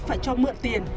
phải cho mượn tiền